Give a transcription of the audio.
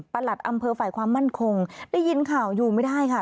หลัดอำเภอฝ่ายความมั่นคงได้ยินข่าวอยู่ไม่ได้ค่ะ